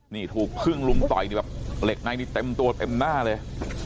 นี่ถูกพึ่งลุมต่อยนี่แบบเหล็กในนี่เต็มตัวเต็มหน้าเลย